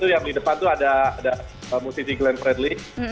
yang di depan tuh ada musisi glenn fredly